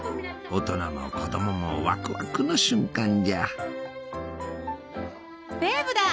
大人も子供もワクワクの瞬間じゃ。